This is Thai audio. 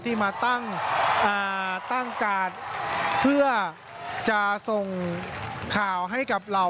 ที่มาตั้งกาดเพื่อจะส่งข่าวให้กับเรา